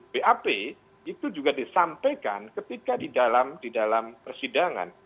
bap itu juga disampaikan ketika di dalam persidangan